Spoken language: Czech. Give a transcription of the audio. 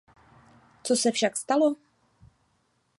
Co se však stalo?